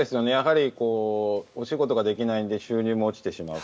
お仕事ができないので収入が落ちてしまう。